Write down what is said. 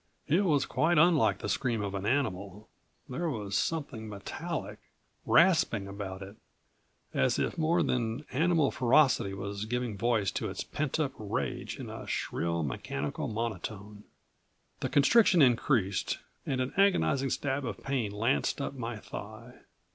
It was quite unlike the scream of an animal. There was something metallic, rasping about it, as if more than animal ferocity was giving voice to its pent up rage in a shrill mechanical monotone. The constriction increased and an agonizing stab of pain lanced up my thigh.